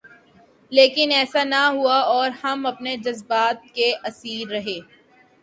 لیکن ایسا نہ ہوا اور ہم اپنے جذبات کے اسیر رہے۔